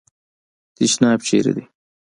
تشناب چیري دی ؟